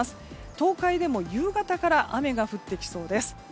東海でも夕方から雨が降ってきそうです。